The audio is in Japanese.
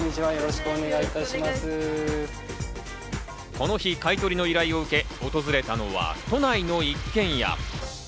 この日、買い取りの依頼を受け、訪れたのは都内の一軒家。